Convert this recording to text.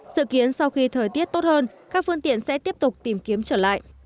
dự kiến sau khi thời tiết tốt hơn các phương tiện sẽ tiếp tục tìm kiếm trở lại